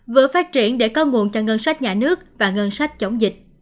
vừa phát triển để có nguồn cho ngân sách nhà nước và ngân sách chống dịch